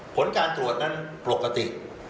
ผลการตรวจนั้นปกติ